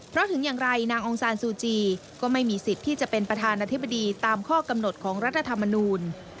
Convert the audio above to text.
เพราะถึงอย่างไรนางองซานซูจีก็ไม่มีสิทธิ์ที่จะเป็นประธานาธิบดีตามข้อกำหนดของรัฐธรรมนูล